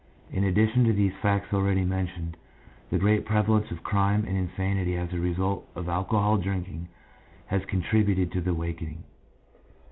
In addition to these facts already mentioned, the great prevalence of crime and insanity as a result of alcohol drinking has contributed to the awakening.